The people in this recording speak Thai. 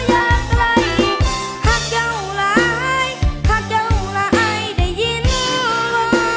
ไม่อยากไหลหักเจ้าหลายหักเจ้าหลายได้ยินเหรอ